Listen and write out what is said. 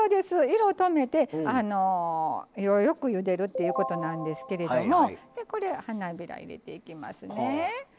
色止めて色よくゆでるっていうことなんですけれどもこれ花びら入れていきますね。